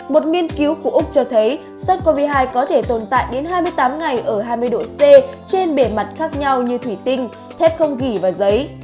một nghiên cứu của úc cho thấy sars cov hai có thể tồn tại đến hai mươi tám ngày ở hai mươi độ c trên bề mặt khác nhau như thủy tinh thép không ghi và giấy